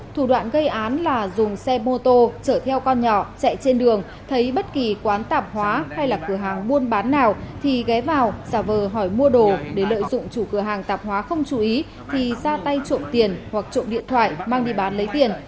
thủ đoạn gây án là dùng xe mô tô chở theo con nhỏ chạy trên đường thấy bất kỳ quán tạp hóa hay là cửa hàng buôn bán nào thì ghé vào giả vờ hỏi mua đồ để lợi dụng chủ cửa hàng tạp hóa không chú ý thì ra tay trộm tiền hoặc trộm điện thoại mang đi bán lấy tiền